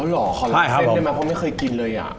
เอ้าหรอเค้าลับเส้นได้มั้ยเพราะไม่เคยกินเลยอ่ะ